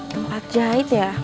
tempat jahit ya